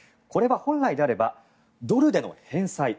これは本来であればドルでの返済